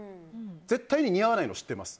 絶対に似合わないのは知ってます。